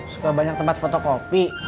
suka banyak tempat fotokopi